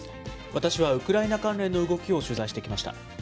私は、ウクライナ関連の動きを取材してきました。